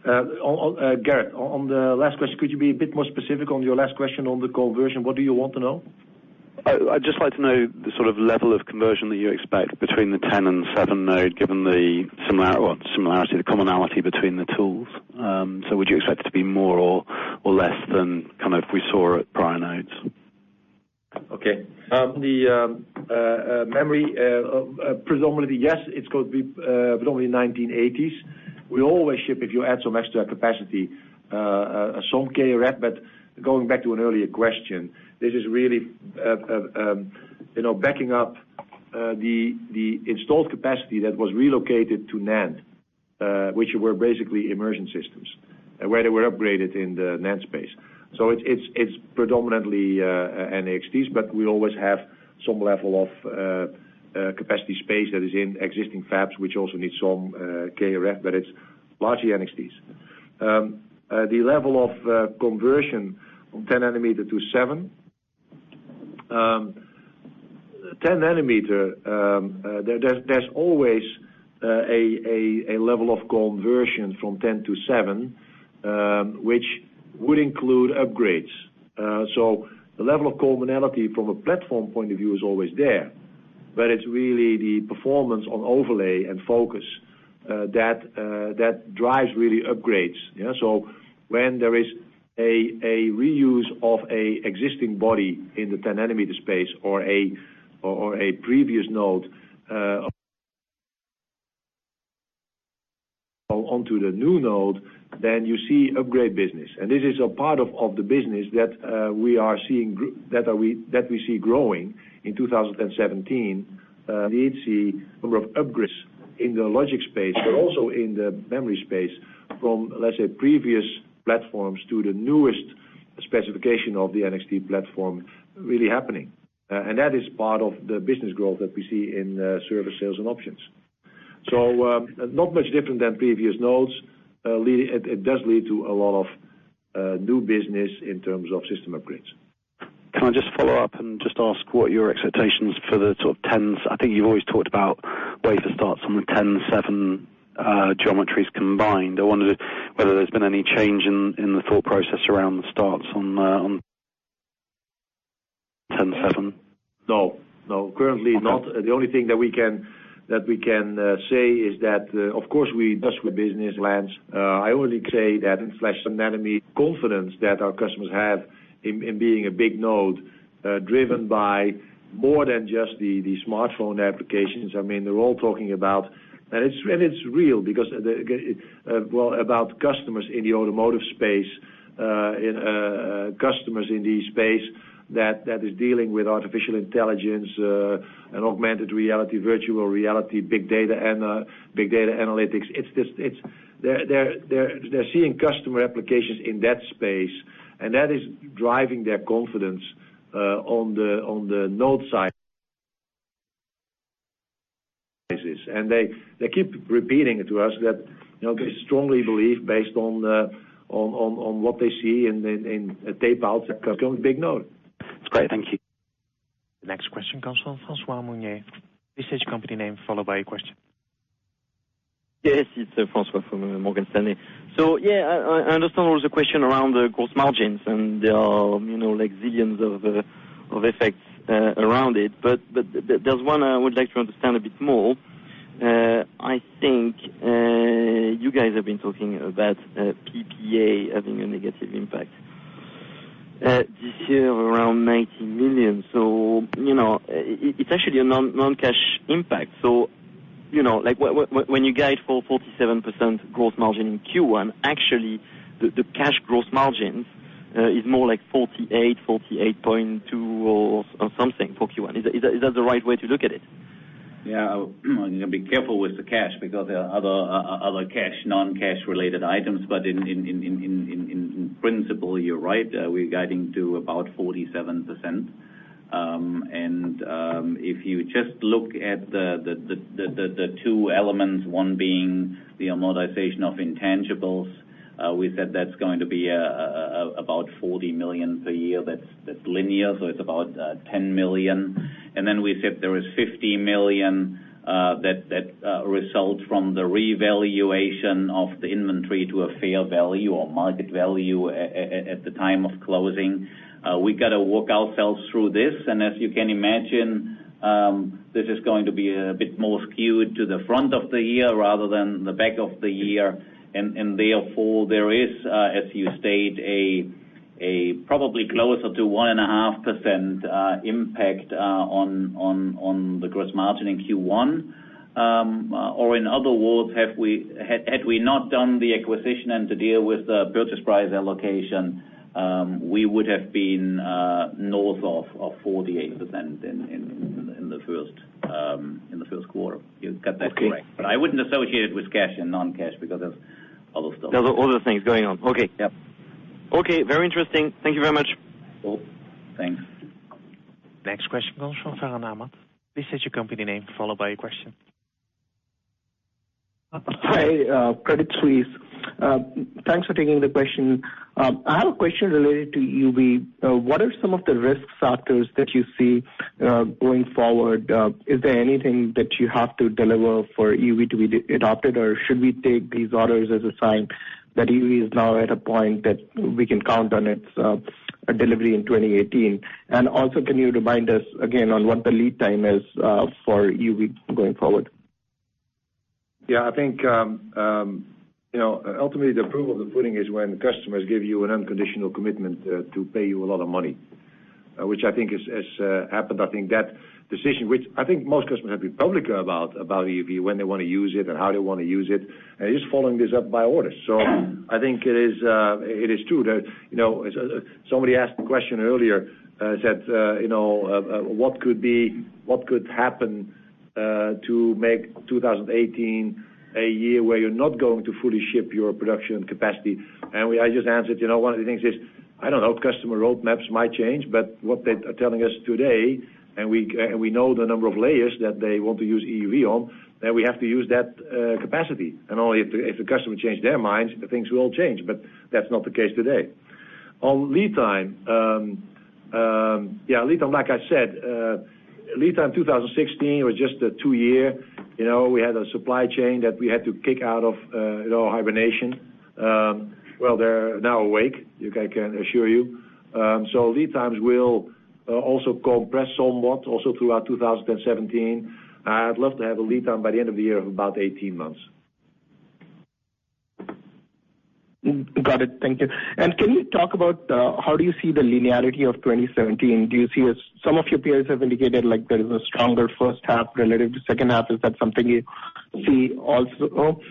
Gareth, on the last question, could you be a bit more specific on your last question on the conversion? What do you want to know? I'd just like to know the sort of level of conversion that you expect between the 10 and seven node, given the commonality between the tools. Would you expect it to be more or less than we saw at prior nodes? Okay. On the memory, predominantly yes, it's going to be predominantly 1980s. We always ship, if you add some extra capacity, some KrF. Going back to an earlier question, this is really backing up the installed capacity that was relocated to NAND, which were basically immersion systems, where they were upgraded in the NAND space. It's predominantly NXTs, but we always have some level of capacity space that is in existing fabs, which also need some KrF, but it's largely NXTs. The level of conversion from 10 nanometer to seven. 10 nanometer, there's always a level of conversion from 10 to seven, which would include upgrades. The level of commonality from a platform point of view is always there, but it's really the performance on overlay and focus that drives really upgrades. When there is a reuse of a existing body in the 10 nanometer space or a previous node onto the new node, then you see upgrade business. This is a part of the business that we see growing in 2017. We did see a number of upgrades in the logic space, but also in the memory space from, let's say, previous platforms to the newest specification of the NXT platform really happening. That is part of the business growth that we see in service sales and options. Not much different than previous nodes. It does lead to a lot of new business in terms of system upgrades. Can I just follow up and just ask what your expectations for the sort of 10s? I think you've always talked about wafer starts on the 10.7 geometries combined. I wondered whether there's been any change in the thought process around the starts on 10.7. No. Currently not. Okay. The only thing that we can say is that, of course, we discuss with business plans. I only say that in flash anatomy, confidence that our customers have in being a big node, driven by more than just the smartphone applications. They're all talking about, and it's real, because, well, about customers in the automotive space, customers in the space that is dealing with artificial intelligence, and augmented reality, virtual reality, big data analytics. They're seeing customer applications in that space, and that is driving their confidence on the node side. They keep repeating it to us that, they strongly believe based on what they see in tape outs going big node. That's great. Thank you. The next question comes from Francois Meunier. Please state your company name, followed by your question. Yes. It's Francois from Morgan Stanley. Yeah, I understand all the question around the gross margins and there are zillions of effects around it. There's one I would like to understand a bit more. I think you guys have been talking about PPA having a negative impact this year of around 90 million. It's actually a non-cash impact. When you guide for 47% gross margin in Q1, actually, the cash gross margins is more like 48%-48.2% or something for Q1. Is that the right way to look at it? Yeah. You got to be careful with the cash because there are other cash, non-cash related items. In principle, you're right. We're guiding to about 47%. If you just look at the two elements, one being the amortization of intangibles, we said that's going to be about 40 million per year, that's linear, so it's about 10 million. Then we said there is 50 million that results from the revaluation of the inventory to a fair value or market value at the time of closing. We got to work ourselves through this, and as you can imagine, this is going to be a bit more skewed to the front of the year rather than the back of the year. Therefore, there is, as you state, a probably closer to 1.5% impact on the gross margin in Q1. In other words, had we not done the acquisition and the deal with the purchase price allocation, we would have been north of 48% in the first quarter. You've got that correct. Okay. I wouldn't associate it with cash and non-cash because there's other stuff. There's other things going on. Okay. Yep. Okay. Very interesting. Thank you very much. Cool. Thanks. Next question comes from Farhan Ahmad. Please state your company name, followed by your question. Hi, Credit Suisse. Thanks for taking the question. I have a question related to EUV. What are some of the risk factors that you see going forward? Is there anything that you have to deliver for EUV to be adopted, or should we take these orders as a sign that EUV is now at a point that we can count on its delivery in 2018? Also, can you remind us again on what the lead time is for EUV going forward? I think, ultimately the proof of the pudding is when customers give you an unconditional commitment to pay you a lot of money. Which I think has happened. I think that decision, which I think most customers have been public about EUV, when they want to use it and how they want to use it, and just following this up by orders. I think it is true that, somebody asked the question earlier, said, what could happen to make 2018 a year where you're not going to fully ship your production capacity? I just answered, one of the things is, I don't know, customer roadmaps might change, but what they are telling us today, and we know the number of layers that they want to use EUV on, then we have to use that capacity. Only if the customer change their minds, things will change. That's not the case today. On lead time. Lead time, like I said, lead time 2016 was just a two-year. We had a supply chain that we had to kick out of hibernation. Well, they're now awake, I can assure you. Lead times will also compress somewhat also throughout 2017. I'd love to have a lead time by the end of the year of about 18 months. Got it. Thank you. Can you talk about how do you see the linearity of 2017? Some of your peers have indicated like there is a stronger first half relative to second half. Is that something you see also?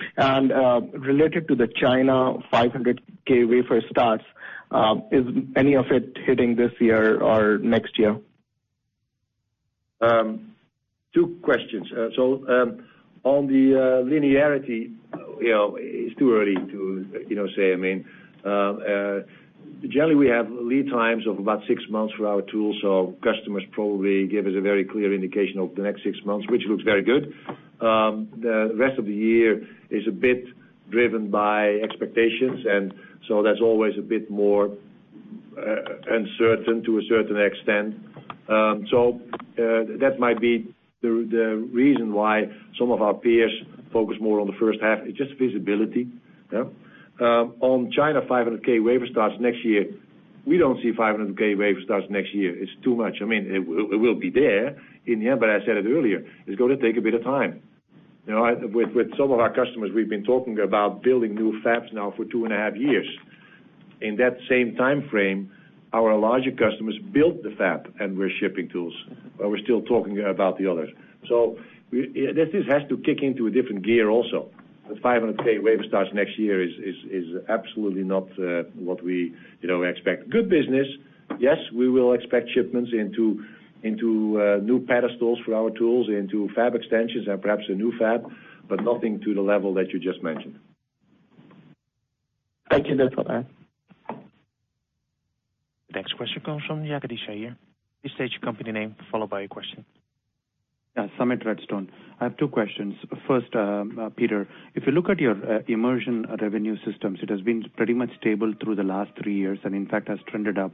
Related to the China 500,000 wafer starts, is any of it hitting this year or next year? Two questions. On the linearity It's too early to say. Generally, we have lead times of about six months for our tools, customers probably give us a very clear indication of the next six months, which looks very good. The rest of the year is a bit driven by expectations, that's always a bit more uncertain to a certain extent. That might be the reason why some of our peers focus more on the first half, it's just visibility. On China 500,000 wafer starts next year. We don't see 500,000 wafer starts next year. It's too much. It will be there in the end, but I said it earlier, it's going to take a bit of time. With some of our customers, we've been talking about building new fabs now for two and a half years. In that same time frame, our larger customers built the fab, we're shipping tools, while we're still talking about the others. This has to kick into a different gear also. The 500,000 wafer starts next year is absolutely not what we expect. Good business. Yes, we will expect shipments into new pedestals for our tools, into fab extensions and perhaps a new fab, but nothing to the level that you just mentioned. Thank you, Peter. Next question comes from Jagadish Iyer. Please state your company name, followed by your question. Yeah, Summit Redstone. I have two questions. First, Peter, if you look at your immersion revenue systems, it has been pretty much stable through the last three years and in fact has trended up.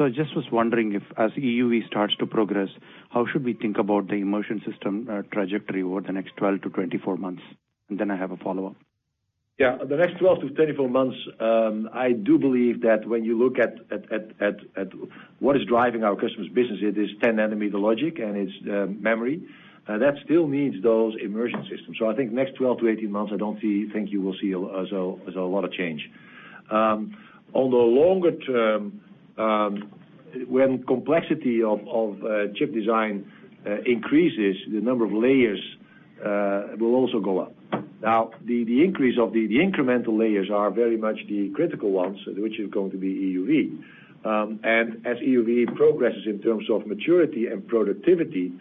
I just was wondering if, as EUV starts to progress, how should we think about the immersion system trajectory over the next 12 to 24 months? Then I have a follow-up. Yeah. The next 12 to 24 months, I do believe that when you look at what is driving our customers' business, it is 10 nanometer logic, and it's memory. That still needs those immersion systems. I think next 12 to 18 months, I don't think you will see a lot of change. On the longer term, when complexity of chip design increases, the number of layers will also go up. Now, the increase of the incremental layers are very much the critical ones, which is going to be EUV. As EUV progresses in terms of maturity and productivity,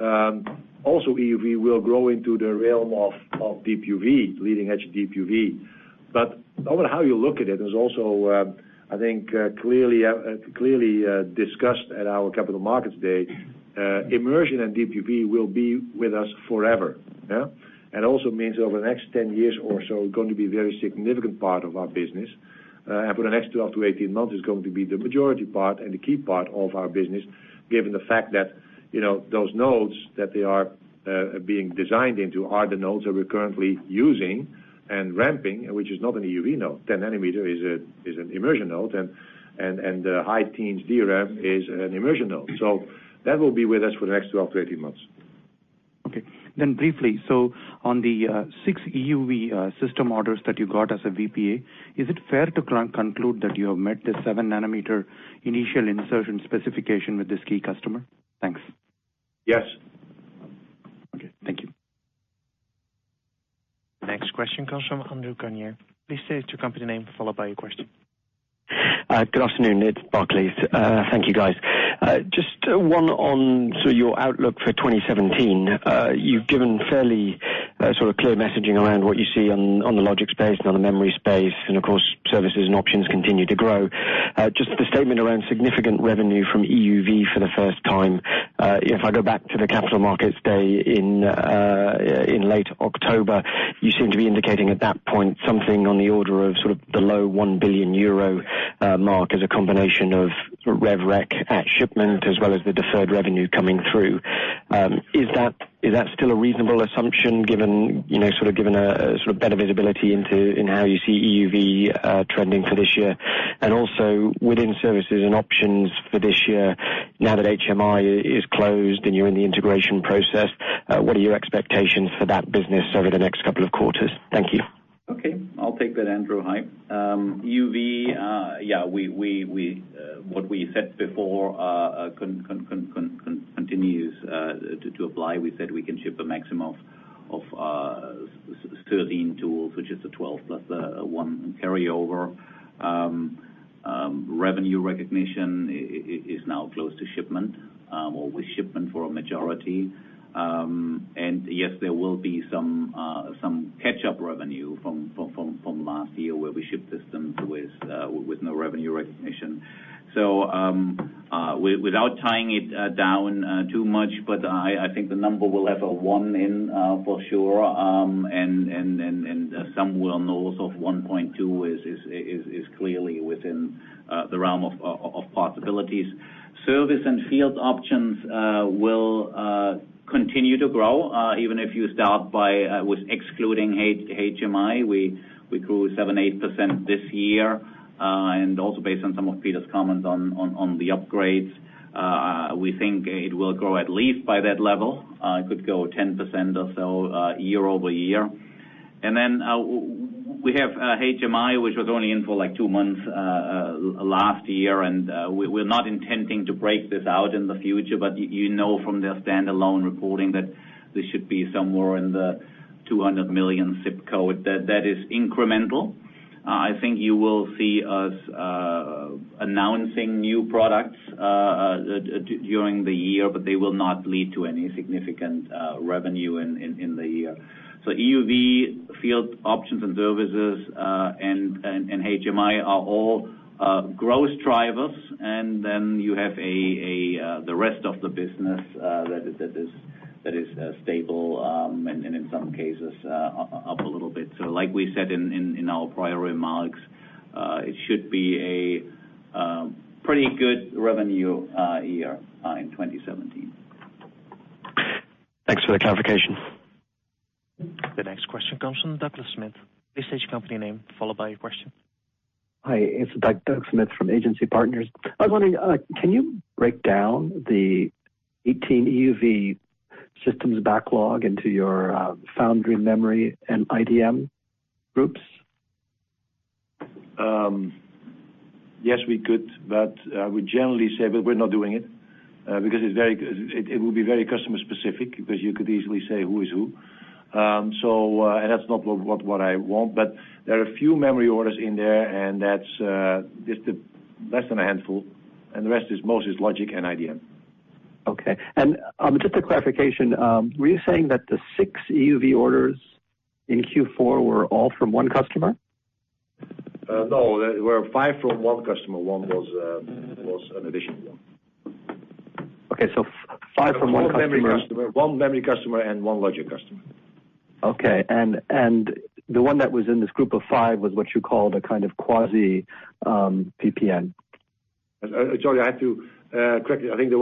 also EUV will grow into the realm of deep UV, leading-edge deep UV. No matter how you look at it, there's also, I think, clearly discussed at our capital markets day, immersion and deep UV will be with us forever. Yeah? Also means over the next 10 years or so, going to be a very significant part of our business. For the next 12 to 18 months, it's going to be the majority part and the key part of our business, given the fact that those nodes that they are being designed into are the nodes that we're currently using and ramping, which is not an EUV node. 10 nanometer is an immersion node, and the high teens DRAM is an immersion node. That will be with us for the next 12 to 18 months. Okay. Briefly, on the six EUV system orders that you got as a VPA, is it fair to conclude that you have met the 7-nanometer initial insertion specification with this key customer? Thanks. Yes. Okay, thank you. Next question comes from Andrew Gardiner. Please state your company name, followed by your question. Good afternoon, it's Barclays. Thank you, guys. Just one on your outlook for 2017. You've given fairly clear messaging around what you see on the logic space and on the memory space, and of course, services and options continue to grow. Just the statement around significant revenue from EUV for the first time. If I go back to the capital markets day in late October, you seem to be indicating at that point, something on the order of sort of below 1 billion euro mark as a combination of rev rec at shipment, as well as the deferred revenue coming through. Is that still a reasonable assumption, given better visibility in how you see EUV trending for this year? Within services and options for this year, now that HMI is closed and you're in the integration process, what are your expectations for that business over the next couple of quarters? Thank you. Okay. I'll take that, Andrew. Hi. EUV, what we said before continues to apply. We said we can ship a maximum of 13 tools, which is the 12 plus one carryover. Revenue recognition is now close to shipment, or with shipment for a majority. Yes, there will be some catch-up revenue from last year, where we shipped systems with no revenue recognition. Without tying it down too much, but I think the number will have a one in for sure, and somewhere north of 1.2 is clearly within the realm of possibilities. Service and field options will continue to grow, even if you start with excluding HMI. We grew 78% this year, and also based on some of Peter's comments on the upgrades, we think it will grow at least by that level. It could go 10% or so year-over-year. Then we have HMI, which was only in for two months last year, and we're not intending to break this out in the future. You know from their standalone reporting that they should be somewhere in the 200 million ZIP code. That is incremental. I think you will see us announcing new products during the year, they will not lead to any significant revenue in the year. EUV, field options and services, and HMI are all growth drivers. Then you have the rest of the business that is stable, and in some cases, up a little bit. Like we said in our prior remarks, it should be a pretty good revenue year in 2017. Thanks for the clarification. The next question comes from Douglas Smith. Please state your company name, followed by your question. Hi, it's Doug Smith from Agency Partners. I was wondering, can you break down the 18 EUV systems backlog into your foundry memory and IDM groups? Yes, we could. We generally say that we're not doing it, because it would be very customer specific, because you could easily say who is who. That's not what I want, but there are a few memory orders in there, and that's just less than a handful, and the rest is mostly logic and IDM. Okay. Just a clarification, were you saying that the six EUV orders in Q4 were all from one customer? No. There were five from one customer. One was an additional one. Okay, five from one customer. Four memory customer, one memory customer, and one logic customer. Okay. The one that was in this group of five was what you called a kind of quasi-VPA. Sorry, I have to correct you. I think it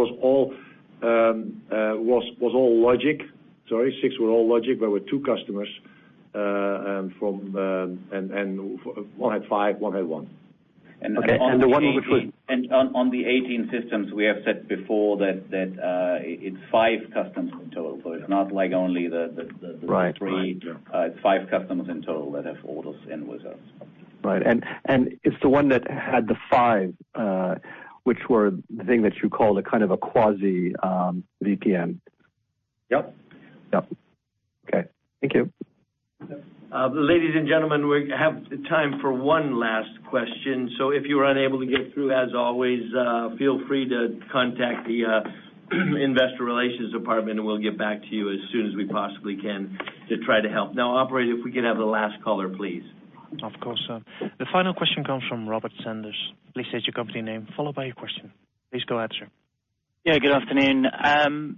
was all logic. Sorry. Six were all logic, but with two customers, one had five, one had one. On the 18 systems, we have said before that it's five customers in total. It's not like only the three. Right. Yeah. It's five customers in total that have orders in with us. Right. It's the one that had the five, which were the thing that you called a kind of a quasi-VPA. Yep. Yep. Okay. Thank you. Ladies and gentlemen, we have the time for one last question. If you are unable to get through, as always, feel free to contact the investor relations department, and we'll get back to you as soon as we possibly can to try to help. Now, operator, if we could have the last caller, please. Of course, sir. The final question comes from Robert Sanders. Please state your company name, followed by your question. Please go ahead, sir. Yeah, good afternoon.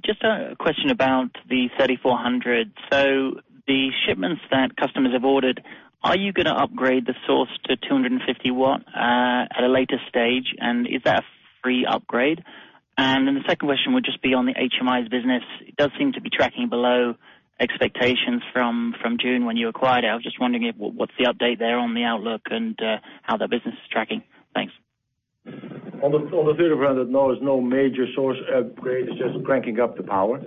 Just a question about the 3400. The shipments that customers have ordered, are you going to upgrade the source to 250 watt at a later stage? Is that a free upgrade? Then the second question would just be on the HMI business. It does seem to be tracking below expectations from June, when you acquired it. I was just wondering what's the update there on the outlook and how that business is tracking. Thanks. No, there's no major source upgrade. It's just cranking up the power.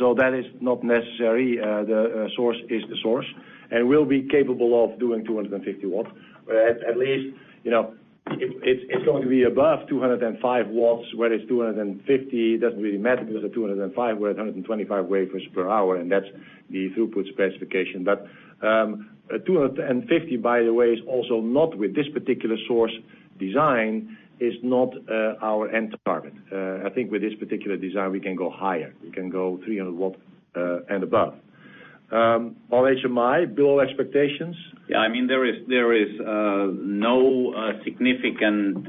All that is not necessary. The source is the source, and we'll be capable of doing 250 watts. At least, it's going to be above 205 watts. Whether it's 250, it doesn't really matter because at 205, we're at 125 wafers per hour, and that's the throughput specification. 250, by the way, is also not, with this particular source design, is not our end target. I think with this particular design, we can go higher. We can go 300 watts and above. On HMI, below expectations? Yeah. There is no significant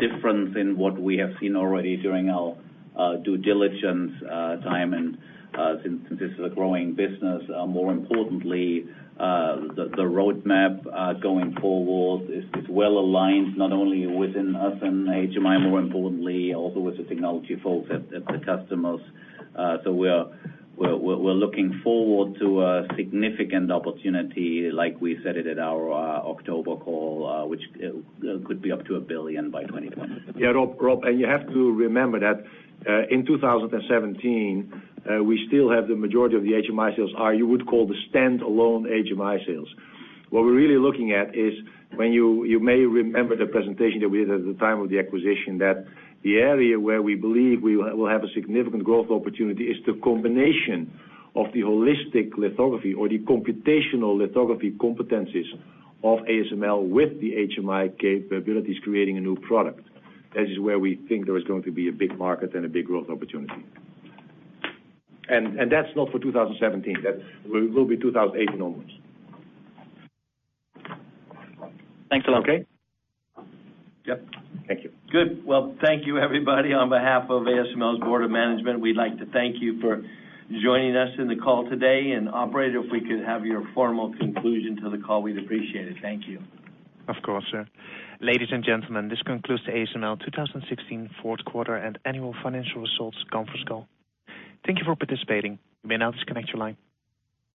difference in what we have seen already during our due diligence time, and since this is a growing business. More importantly, the roadmap going forward is well-aligned, not only within us and HMI, more importantly, also with the technology folks at the customers. We're looking forward to a significant opportunity, like we said it at our October call, which could be up to 1 billion by 2020. Yeah. Rob, you have to remember that in 2017, we still have the majority of the HMI sales are, you would call the standalone HMI sales. What we're really looking at is, you may remember the presentation that we did at the time of the acquisition, that the area where we believe we will have a significant growth opportunity is the combination of the holistic lithography or the computational lithography competencies of ASML with the HMI capabilities, creating a new product. That is where we think there is going to be a big market and a big growth opportunity. That's not for 2017. That will be 2018 onwards. Thanks a lot. Okay? Yep. Thank you. Good. Well, thank you, everybody. On behalf of ASML's Board of Management, we'd like to thank you for joining us in the call today. Operator, if we could have your formal conclusion to the call, we'd appreciate it. Thank you. Of course, sir. Ladies and gentlemen, this concludes the ASML 2016 fourth quarter and annual financial results conference call. Thank you for participating. You may now disconnect your line.